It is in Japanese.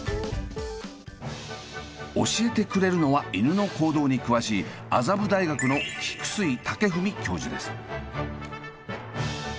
教えてくれるのは犬の行動に詳しい麻布大学の菊水健史教授です。